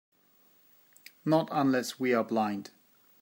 Not unless we're blind.